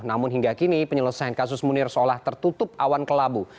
namun hingga kini penyelesaian kasus munir seolah tertutup awan kelabu